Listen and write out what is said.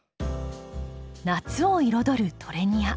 夏を彩るトレニア。